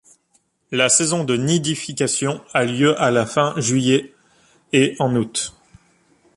La saison de nidification a lieu à la fin-juillet et en août.